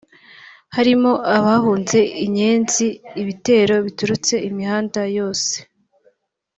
harimo abahunze Inyenzi ibitero biturutse imihanda yose